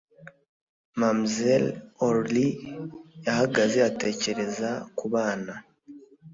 mamzelle aurlie yahagaze atekereza ku bana